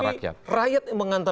rakyat yang mengantar